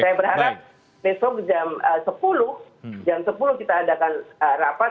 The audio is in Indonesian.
saya berharap besok jam sepuluh jam sepuluh kita adakan rapat